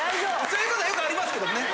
そういう事はよくありますけどね。